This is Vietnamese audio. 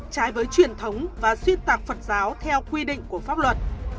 trái với truyền thống và xuyên tạc phật giáo theo quy định của pháp luật